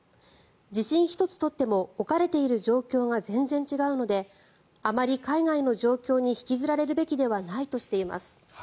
地震１つ取っても置かれている状況が全然違うのであまり海外の状況に引きずられるべきではないとしています。